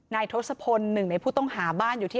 ทศพลหนึ่งในผู้ต้องหาบ้านอยู่ที่